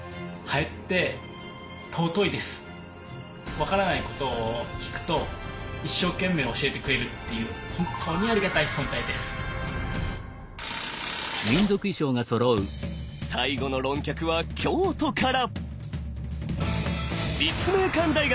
分からないことを聞くと一生懸命教えてくれるっていう最後の論客は京都から！